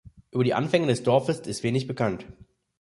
Über die Anfänge des Dorfes ist wenig bekannt.